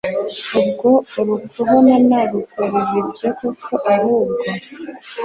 ubwo urukuhona nagukorera ibyo koko ahubwo